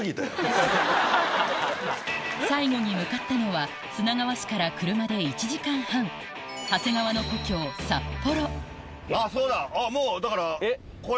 最後に向かったのは砂川市から車で１時間半あっそうだもうだからこれ。